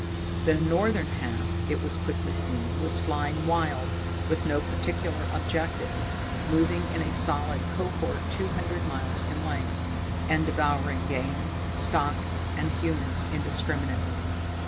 The northern half, it was quickly seen, was flying "wild," with no particular objective, moving in a solid cohort two hundred miles in length, and devouring game, stock, and humans indiscriminately.